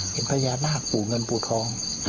เห็นพญานาคบุเงินบุทรอง